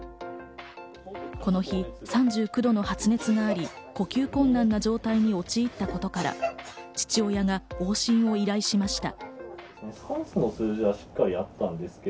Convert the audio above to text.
この日、３９度の発熱があり、呼吸困難な状態に陥ったことから、父親が往診を依頼しました。